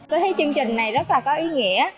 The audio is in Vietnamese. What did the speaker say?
tôi thấy chương trình này rất là có ý nghĩa